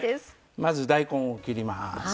まず大根を切ります。